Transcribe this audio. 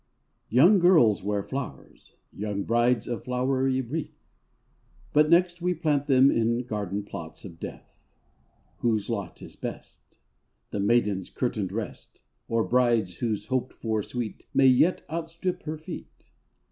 \/OUNG girls wear flowers, A Young brides a flowery wreath, But next we plant them In garden plots of death. Whose lot is best: The maiden's curtained rest. Or bride's whose hoped for sweet May yet outstrip her feet